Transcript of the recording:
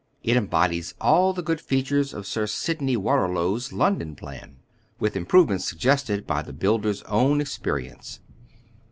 It embodies all the good features of Sir Sydney Waterlow's London plan, with improvements sug gested by the builder's own experience.